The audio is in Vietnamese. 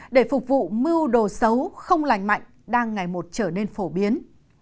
để phục vụ mưu đồ xấu không lành mạnh đang ngày một trở nên phổ biến